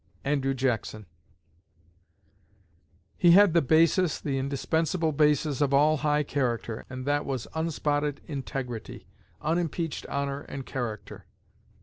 ANDREW JACKSON He had the basis, the indispensable basis, of all high character, and that was unspotted integrity unimpeached honor and character.